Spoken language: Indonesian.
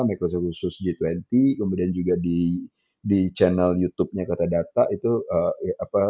microso khusus g dua puluh kemudian juga di channel youtube nya kata data itu apa